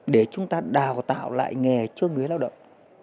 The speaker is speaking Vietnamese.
để chúng ta đào tạo lại nghề cho người lao động